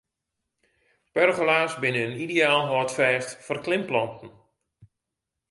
Pergola's binne in ideaal hâldfêst foar klimplanten.